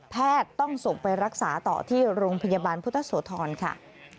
ต้องส่งไปรักษาต่อที่โรงพยาบาลพุทธโสธรค่ะ